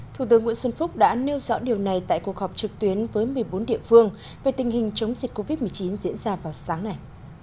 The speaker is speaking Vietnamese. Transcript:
thủ tướng nguyễn xuân phúc đã nêu rõ điều này tại cuộc họp trực tuyến với một mươi bốn địa phương về tình hình chống dịch covid một mươi chín diễn ra vào sáng nay